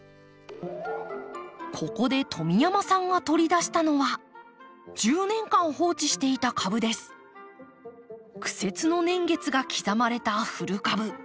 ここで富山さんが取り出したのは苦節の年月が刻まれた古株。